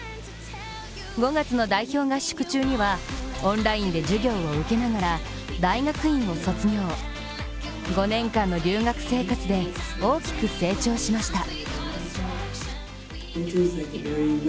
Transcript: ５月の代表合宿中にはオンラインで授業を受けながら大学院を卒業、５年間の留学生活で大きく成長しました。